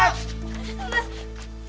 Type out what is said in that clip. masuk udah masuk